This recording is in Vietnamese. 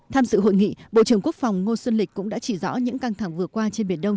tham dự hội nghị bộ trưởng quốc phòng ngô xuân lịch cũng đã chỉ rõ những căng thẳng vừa qua trên biển đông